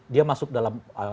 dia masuk dalam